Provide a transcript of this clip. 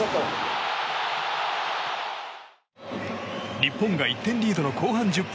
日本が１点リードの後半１０分。